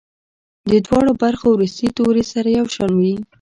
د دواړو برخو وروستي توري سره یو شان وي.